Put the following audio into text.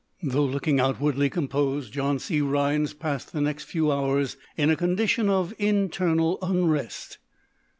Though looking outwardly composed, John C. Rhinds passed the next few hours in a condition of internal unrest.